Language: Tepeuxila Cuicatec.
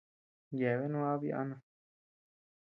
Yeabeanu aaba yana.